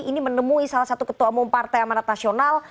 ini menemui salah satu ketua umum partai amanat nasional